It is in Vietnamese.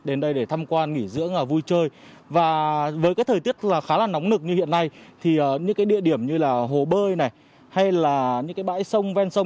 để vui chơi với thời tiết khá là nóng nực như hiện nay những địa điểm như hồ bơi hay bãi sông ven sông